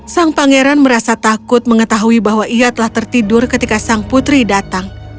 sang pangeran merasa takut mengetahui bahwa ia telah tertidur ketika sang putri datang